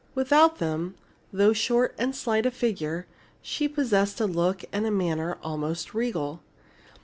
Without them, though short and slight of figure, she possessed a look and manner almost regal.